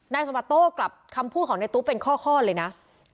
นายสมบัติโต้กลับคำพูดของนายตุ๊กเป็นข้อเลยนะ